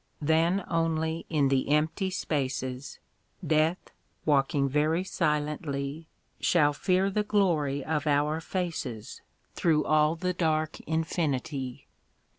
Then only in the empty spaces, Death, walking very silently, Shall fear the glory of our faces Through all the dark infinity.